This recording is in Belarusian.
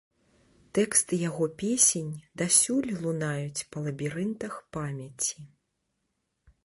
Тэксты яго песень дасюль лунаюць па лабірынтах памяці.